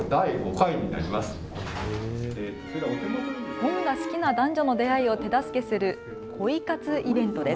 本が好きな男女の出会いを手助けする恋活イベントです。